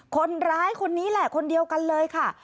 คนร้ายคนนี้แหละคนเดียวกันเลยค่ะ